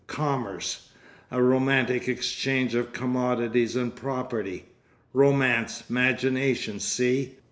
Commerce! A romantic exchange of commodities and property. Romance. 'Magination. See?